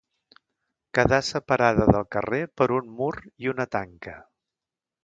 Quedà separada del carrer per un mur i una tanca.